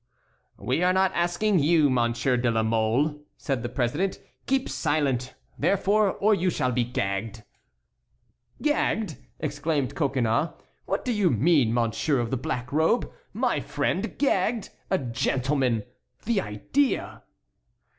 "We are not asking you, Monsieur de la Mole," said the president; "keep silent, therefore, or you shall be gagged." "Gagged!" exclaimed Coconnas; "what do you mean, monsieur of the black robe? My friend gagged? A gentleman! the idea!"